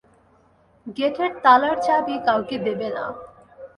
গেটের তালার চাবি কাউকে দেবে না।